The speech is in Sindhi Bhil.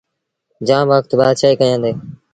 جآم وکت بآتشآهيٚ ڪيآݩدي۔۔